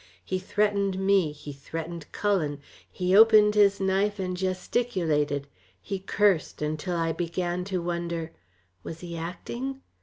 He threatened me, he threatened Cullen, he opened his knife and gesticulated, he cursed, until I began to wonder: was he acting?